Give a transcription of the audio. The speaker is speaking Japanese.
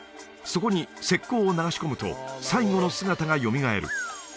そこに石膏を流し込むと最後の姿がよみがえる